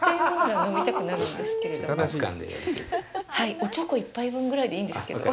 おちょこ１杯分ぐらいでいいんですけども。